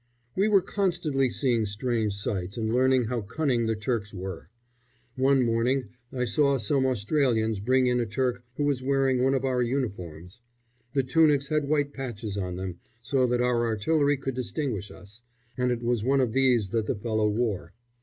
We were constantly seeing strange sights and learning how cunning the Turks were. One morning I saw some Australians bring in a Turk who was wearing one of our uniforms. The tunics had white patches on them, so that our artillery could distinguish us, and it was one of these that the fellow wore.